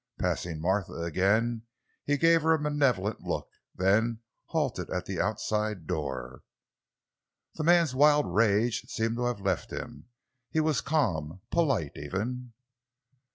Passing Martha again he gave her a malevolent look, then halted at the outside door. The man's wild rage seemed to have left him; he was calm—polite, even.